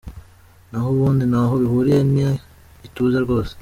Naho ubundi ntaho bihuriye na Ituze rwose.